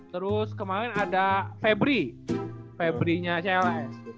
terus kemarin ada febri febri nya cls